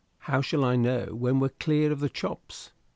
"How shall I know when we're clear of the Chops?"